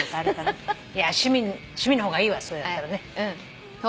いや趣味の方がいいわそれだったらね。